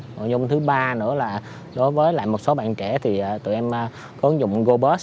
nội dung thứ ba nữa là đối với lại một số bạn trẻ thì tụi em ứng dụng gobert